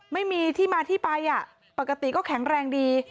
ไม่มีที่มาที่ไปปกติก็แข็งแรงดี